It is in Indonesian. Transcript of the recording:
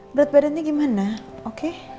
berat badannya gimana oke